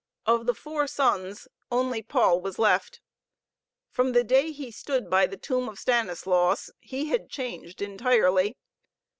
Of the four sons only Paul was left. From the day he stood by the tomb of Stanislaus, he had changed entirely.